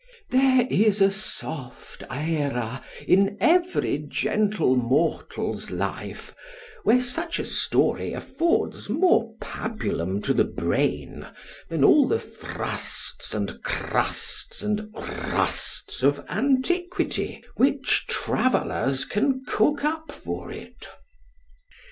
There is a soft æra in every gentle mortal's life, where such a story affords more pabulum to the brain, than all the Frusts, and Crusts, and Rusts of antiquity, which travellers can cook up for it.